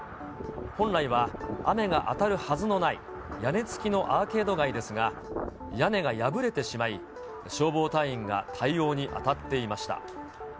本来は雨が当たるはずのない屋根付きのアーケード街ですが、屋根が破れてしまい、消防隊員が対応に当たっていました。